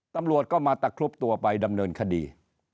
ตำรวจก็มาตะครุบตัวไปดำเนินคดี